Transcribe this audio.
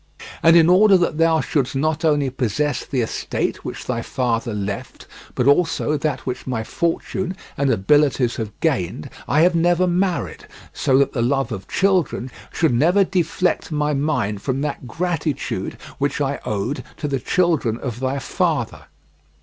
And in order that thou shouldst not only possess the estate which thy father left, but also that which my fortune and abilities have gained, I have never married, so that the love of children should never deflect my mind from that gratitude which I owed to the children of thy father.